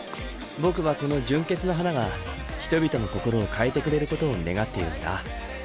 僕はこの純潔の花が人々の心を変えてくれることを願っているんだ。